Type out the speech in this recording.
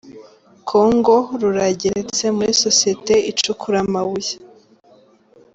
kongo Rurageretse muri Sosiyete icukura amabuye